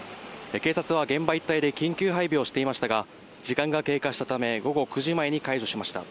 警察は現場一帯を緊急配備をしていましたが時間が経過したため午後９時前に解除しました。